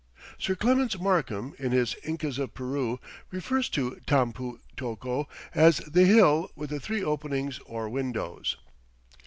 Sir Clements Markham, in his "Incas of Peru," refers to Tampu tocco as "the hill with the three openings or windows."